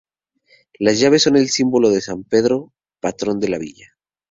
Las llaves son el símbolo de San Pedro, patrón de la villa.